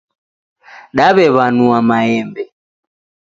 Daw'ew'anua maembe.